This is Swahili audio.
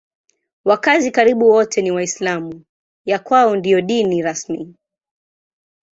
Wakazi karibu wote ni Waislamu; ya kwao ndiyo dini rasmi.